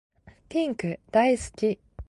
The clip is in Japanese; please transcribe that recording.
ピンク大好き